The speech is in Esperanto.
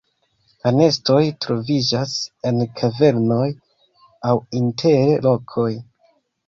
La nestoj troviĝas en kavernoj aŭ inter rokoj.